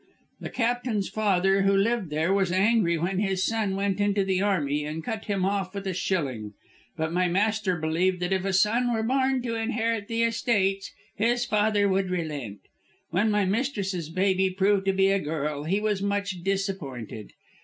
The Captain's father, who lived here, was angry when his son went into the Army, and cut him off with a shilling, but my master believed that if a son were born to inherit the estates his father would relent. When my mistress's baby proved to be a girl he was much disappointed.